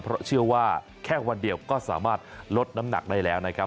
เพราะเชื่อว่าแค่วันเดียวก็สามารถลดน้ำหนักได้แล้วนะครับ